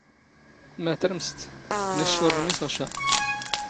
"ⵎⴰ ⵜⵔⵎⵙⴷ?" " ⵏⵛⵛ ⵓⵔ ⵔⵎⵉⵙⵖ ⵛⴰ."